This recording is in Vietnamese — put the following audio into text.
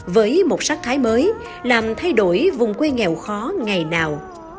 với một sắc thái mới làm thay đổi vùng quê nghèo khó ngày nào